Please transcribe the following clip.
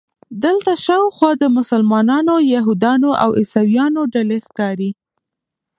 دلته شاوخوا د مسلمانانو، یهودانو او عیسویانو ډلې ښکاري.